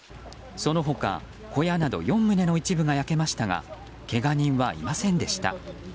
その他、小屋など４棟の一部が焼けましたがけが人はいませんでした。